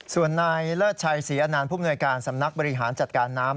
ส่วนนายเลิศชัยศรีอนานผู้มนวยการสำนักบริหารจัดการน้ำ